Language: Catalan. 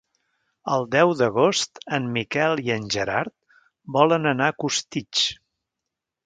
El deu d'agost en Miquel i en Gerard volen anar a Costitx.